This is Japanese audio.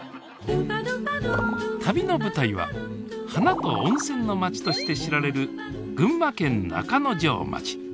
旅の舞台は花と温泉の町として知られる群馬県中之条町。